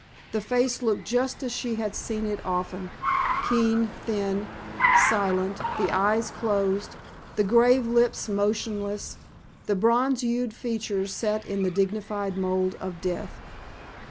The face looked just as she had seen it often, keen, thin, silent, the eyes closed, the grave lips motionless, the bronze hued features set in the dignified mold of death.